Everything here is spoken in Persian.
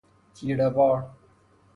تیره وار